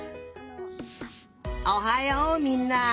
おはようみんな！